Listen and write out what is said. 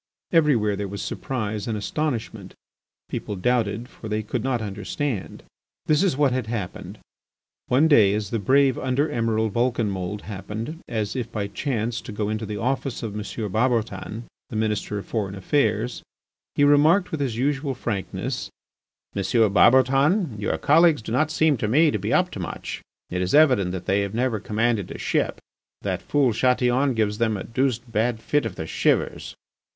Everywhere there was surprise and astonishment. People doubted, for they could not understand. This is what had happened: One day as the brave Under Emiral Vulcanmould happened, as if by chance, to go into the office of M. Barbotan, the Minister of Foreign Affairs, he remarked with his usual frankness: "M. Barbotan, your colleagues do not seem to me to be up to much; it is evident that they have never commanded a ship. That fool Chatillon gives them a deuced bad fit of the shivers."